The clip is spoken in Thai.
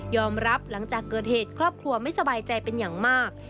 หลังจากเกิดเหตุครอบครัวไม่สบายใจเป็นอย่างมาก